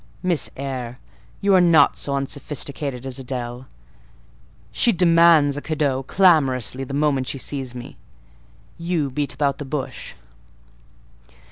"Miss Eyre, you are not so unsophisticated as Adèle: she demands a 'cadeau,' clamorously, the moment she sees me: you beat about the bush."